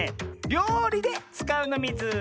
りょうりでつかうのミズ！